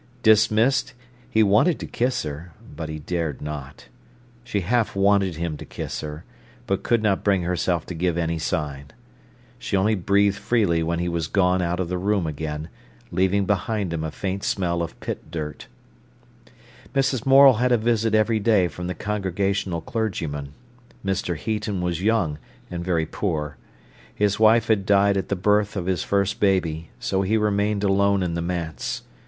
Dismissed, he wanted to kiss her, but he dared not. She half wanted him to kiss her, but could not bring herself to give any sign. She only breathed freely when he was gone out of the room again, leaving behind him a faint smell of pit dirt. Mrs. Morel had a visit every day from the Congregational clergyman. Mr. Heaton was young, and very poor. His wife had died at the birth of his first baby, so he remained alone in the manse.